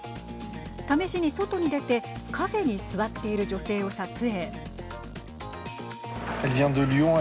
試しに外に出てカフェに座っている女性を撮影。